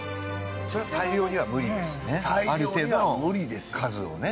それを大量には無理ですね。